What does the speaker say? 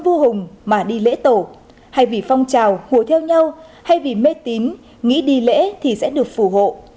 nhớ ơn vua hùng mà đi lễ tổ hay vì phong trào hùa theo nhau hay vì mê tín nghĩ đi lễ thì sẽ được phù hộ